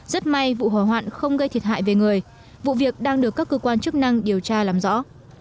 rất may vụ hỏa hoạn không gây thiệt hại về người vụ việc đang được các cơ quan chức năng điều tra làm rõ